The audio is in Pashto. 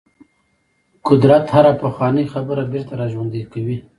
قدرت هره پخوانۍ خبره بیرته راژوندۍ کوي.